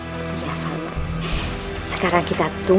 kamu bisa belajar tari